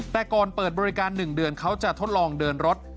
แต่ก่อนเปิดบริการ๑เดือนเขาจะทดลองเดินรถ